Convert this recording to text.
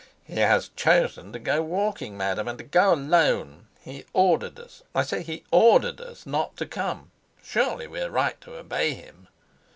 "He has chosen to go walking, madam, and to go alone. He ordered us I say, he ordered us not to come. Surely we are right to obey him?"